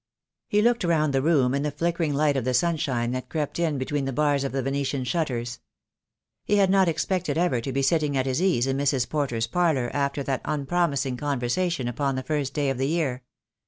He looked round the room, in the flickering light of the sunshine that crept in between the bars of the Vene tian shutters. He had not expected ever to be sitting at his ease in Mrs. Porter's parlour after that unpromising conversation upon the first day of the year.